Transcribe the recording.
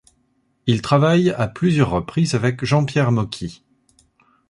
Il travaille à plusieurs reprises avec Jean-Pierre Mocky.